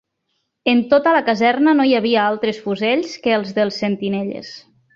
En tota la Caserna no hi havia altres fusells que els dels sentinelles.